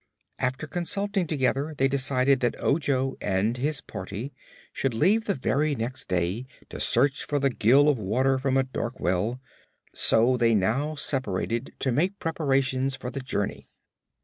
After consulting together they decided that Ojo and his party should leave the very next day to search for the gill of water from a dark well, so they now separated to make preparations for the journey.